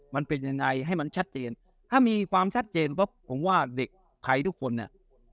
มันเป็นยังไงให้มันชัดเจนถ้ามีความชัดเจนปุ๊บผมว่าเด็กไทยทุกคนเนี่ย